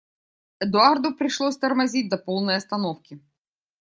Эдуарду пришлось тормозить до полной остановки.